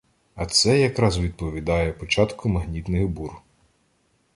А це якраз відповідає початку магнітних бур.